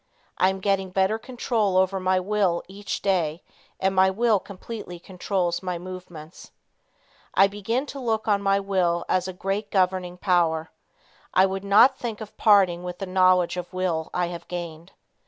I am getting better control over my will each day, and my will completely controls my movements. I begin to look on my will as a great governing power. I would not think of parting with the knowledge of will I have gained.